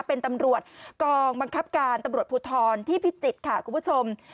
เป็นตำรวจกองบังคับการตำรวจภูทรที่พิจิตรค่ะคุณผู้ชม